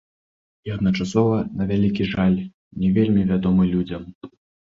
І адначасова, на вялікі жаль, не вельмі вядомы людзям.